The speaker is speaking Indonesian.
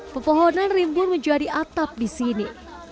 pepohonan rimbun menjadi atap di sini